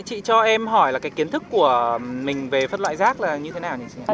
chị cho em hỏi là cái kiến thức của mình về phân loại rác là như thế nào hả